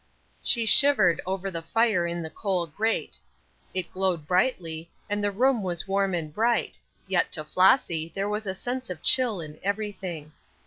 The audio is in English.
She shivered over the fire in the coal grate. It glowed brightly, and the room was warm and bright, yet to Flossy there was a sense of chill in everything.